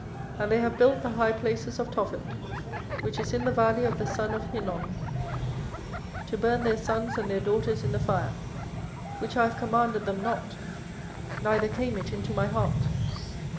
24:007:031 And they have built the high places of Tophet, which is in the valley of the son of Hinnom, to burn their sons and their daughters in the fire; which I commanded them not, neither came it into my heart.